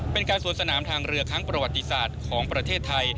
เป็นการสวนสนามทางเรือครั้งประวัติศาสตร์ของประเทศไทย